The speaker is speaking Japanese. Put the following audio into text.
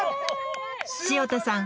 潮田さん